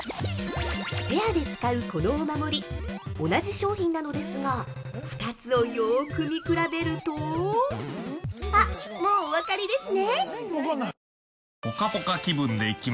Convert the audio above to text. ペアで使うこのお守り同じ商品なのですが２つをよく見比べるとあっ、もうお分かりですね？